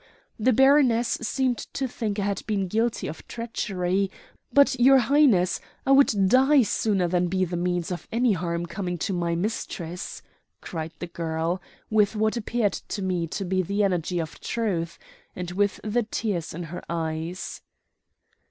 The baroness seemed to think I had been guilty of treachery, but, your Highness, I would die sooner than be the means of any harm coming to my mistress," cried the girl, with what appeared to me to be the energy of truth, and with the tears in her eyes.